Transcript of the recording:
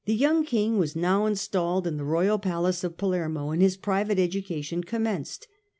The young King was now installed in the royal palace of Palermo and his private education commenced.